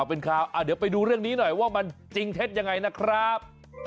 เป็นข่าวเดี๋ยวไปดูเรื่องนี้หน่อยว่ามันจริงเท็จยังไงนะครับ